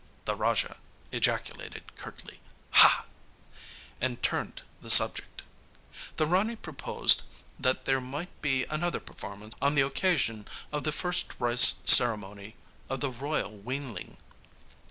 The Raja ejaculated curtly: 'Ha!' and turned the subject. The Rani proposed that there might be another performance on the occasion of the first rice ceremony of the 'royal' weanling.